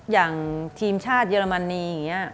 อย่างทีมชาติเยอรมนีอย่างนี้